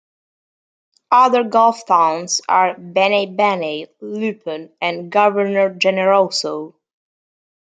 Other gulf towns are Banaybanay, Lupon and Governor Generoso.